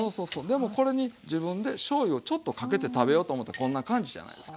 でもこれに自分でしょうゆをちょっとかけて食べよと思ったらこんな感じじゃないですか。